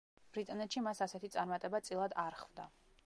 ბრიტანეთში მას ასეთი წარმატება წილად არ ხვდა.